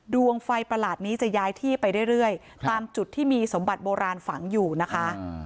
ดวงไฟประหลาดนี้จะย้ายที่ไปเรื่อยตามจุดที่มีสมบัติโบราณฝังอยู่นะคะ